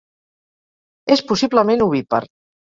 És possiblement ovípar.